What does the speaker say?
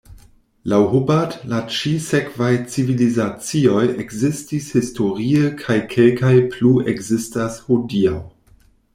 Laŭ Hubbard, la ĉi sekvaj civilizacioj ekzistis historie kaj kelkaj plu ekzistas hodiaŭ.